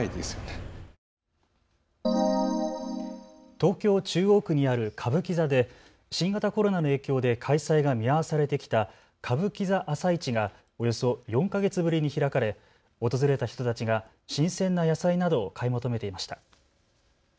東京中央区にある歌舞伎座で新型コロナの影響で開催が見合わされてきた歌舞伎座朝市がおよそ４か月ぶりに開かれ訪れた人たちが新鮮な野菜などを買い求めていました。